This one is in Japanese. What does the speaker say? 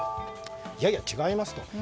いやいや、違いますと。